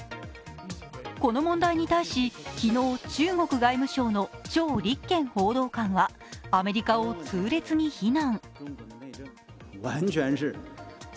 この問題に対し、昨日、中国外務省の趙立堅報道官はアメリカを痛烈に非難。